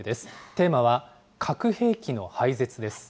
テーマは、核兵器の廃絶です。